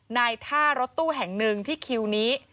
ในท่ารถตู้แห่งหนึ่งที่คิวนี้